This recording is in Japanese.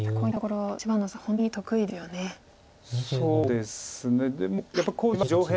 はいそうですね。